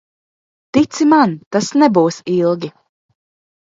Tici man, tas nebūs ilgi.